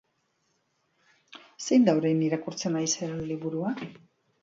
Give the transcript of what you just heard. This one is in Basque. Zein da orain irakurtzen ari zaren liburua?